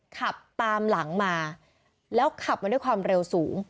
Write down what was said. ขับตามหลังมาแล้วขับมาด้วยความเร็วสูง